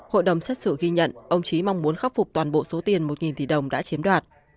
hội đồng xét xử ghi nhận ông trí mong muốn khắc phục toàn bộ số tiền một tỷ đồng đã chiếm đoạt